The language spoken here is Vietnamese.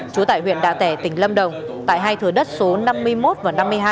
trú tại huyện đạ tẻ tỉnh lâm đồng tại hai thừa đất số năm mươi một và năm mươi hai